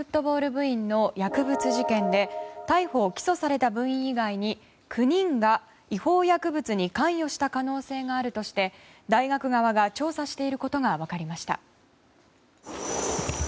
部員の薬物事件で逮捕・起訴された部員以外に９人が違法薬物に関与した可能性があるとして大学側が調査していることが分かりました。